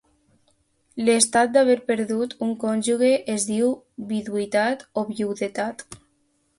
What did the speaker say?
L'estat d'haver perdut un cònjuge es diu viduïtat o viudetat.